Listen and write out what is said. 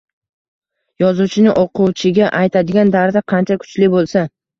Yozuvchining o’quvchiga aytadigan dardi qancha kuchli bo’lsa